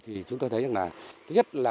thì chúng ta thấy rằng là